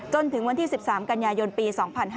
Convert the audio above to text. จนถึงวันที่๑๓กันยายนปี๒๕๕๙